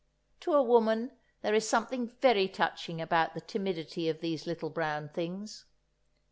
To a woman there is something very touching about the timidity of these little brown things.